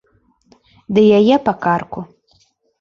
Ды яе па карку.